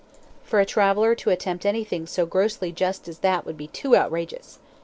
For a traveller to attempt anything so grossly just as that would be too outrageous.